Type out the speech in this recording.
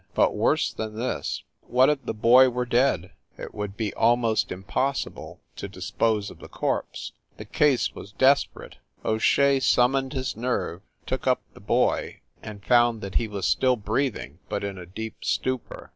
But, worse than this, what if the boy were dead ? It would be almost impossible to dispose of the corpse. The case was desperate. O Shea sum moned his nerve, took up the boy, and found that he was still breathing, but in a deep stupor.